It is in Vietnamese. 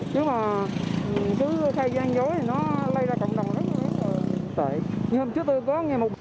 chứ mà cứ khai gian dối thì nó lây ra cộng đồng rất là tệ